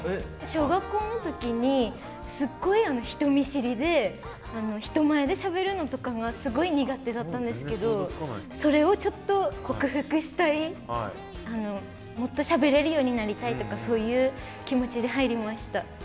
小学校の時にすっごい人見知りで人前でしゃべるのとかがすごい苦手だったんですけどそれをちょっと克服したいもっとしゃべれるようになりたいとかそういう気持ちで入りました。